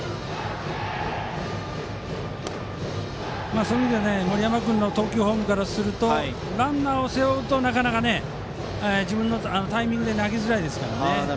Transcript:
そういう意味では森山君の投球フォームからするとランナーを背負うとなかなか自分のタイミングで投げづらいですからね。